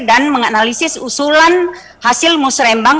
dan menganalisis usulan hasil musrembang